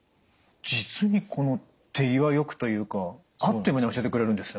実に手際よくというかあっという間に教えてくれるんですね。